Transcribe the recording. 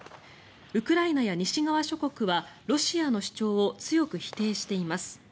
ウクライナや西側諸国はロシアの主張を強く否定しています。